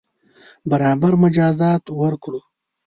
برابر مجازات ورکړو.